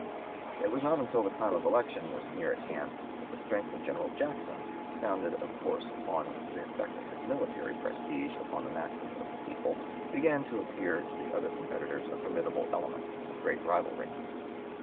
It was not until the time of election was near at hand that the strength of General Jackson, founded of course upon the effect of his military prestige upon the masses of the people, began to appear to the other competitors a formidable element in the great rivalry.